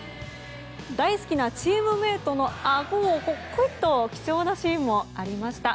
大好きなチームメートのあごを、くいっと貴重なシーンもありました。